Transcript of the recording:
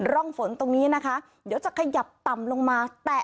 ร่องฝนตรงนี้นะคะเดี๋ยวจะขยับต่ำลงมาแตะ